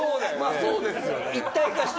まあそうですよね。